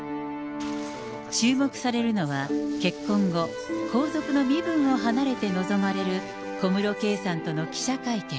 注目されるのは、結婚後、皇族の身分を離れて臨まれる小室圭さんとの記者会見。